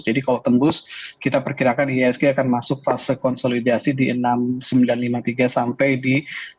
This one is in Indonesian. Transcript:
jadi kalau tembus kita perkirakan ihsg akan masuk fase konsolidasi di enam ribu sembilan ratus lima puluh tiga sampai di tujuh ribu satu ratus dua puluh delapan